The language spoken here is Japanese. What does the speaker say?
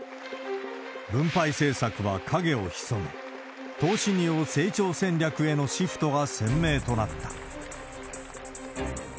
分配政策は影を潜め、投資による成長戦略へのシフトが鮮明となった。